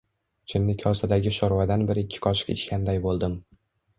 Chinni kosadagi sho‘rvadan bir-ikki qoshiq ichganday bo‘ldim